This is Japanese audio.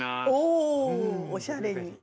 おしゃれに。